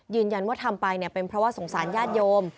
ยืนยันว่าทำไปเป็นเพราะว่าสงสารญาติโยม